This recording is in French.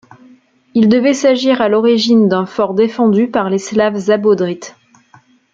Il devait s'agir à l'origine d'un fort défendu par les Slaves Abodrites.